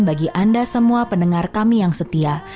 bagi anda semua pendengar kami yang setia